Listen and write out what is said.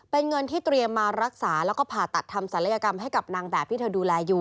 เป็นเงินที่เตรียมมารักษาแล้วก็ผ่าตัดทำศัลยกรรมให้กับนางแบบที่เธอดูแลอยู่